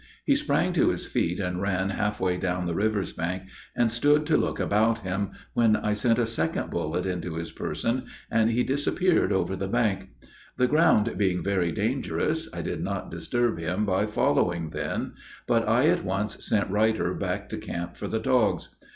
He sprang to his feet and ran half way down the river's bank, and stood to look about him, when I sent a second bullet into his person, and he disappeared over the bank. The ground being very dangerous, I did not disturb him by following then, but I at once sent Ruyter back to camp for the dogs.